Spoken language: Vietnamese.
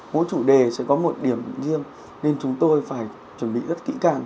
mỗi chủ đề sẽ có một điểm riêng nên chúng tôi phải chuẩn bị rất kỹ càng